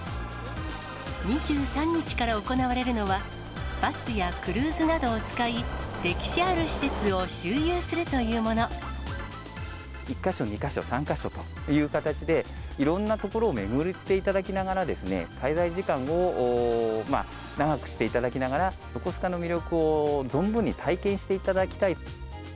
２３日から行われるのは、バスやクルーズなどを使い、歴史ある施設を周遊するというも１か所、２か所、３か所という形で、いろんな所を巡っていただきながら、滞在時間を長くしていただきながら、横須賀の魅力を存分に体験していただきたい。